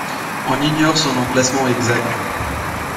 On ignore son emplacement exact.